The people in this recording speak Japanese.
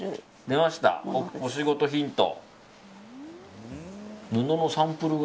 出ました、お仕事ヒント。